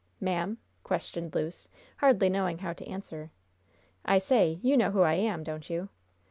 "Ma'am?" questioned Luce, hardly knowing how to answer. "I say, you know who I am, don't you?"